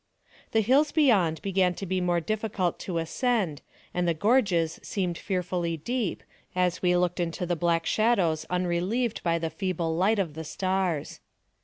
The hills beyond began tt) be more difficult to ascend, and the gorges seemed fearfully deep, as we looked into the black shadows unrelieved by the feeble light of the stars.